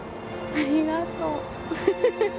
ありがとう。